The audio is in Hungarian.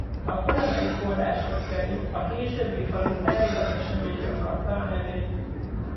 A korabeli források szerint a későbbi falu erről az eseményről kapta a nevét.